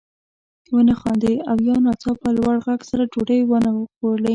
ونه خاندي او یا ناڅاپه لوړ غږ سره ډوډۍ وانه غواړي.